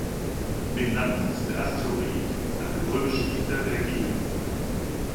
Benannt ist der Asteroid nach dem römischen Dichter Vergil.